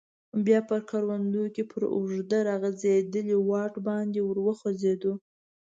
بیا په کروندو کې پر اوږده راغځیدلي واټ باندې ور وخوځیدو.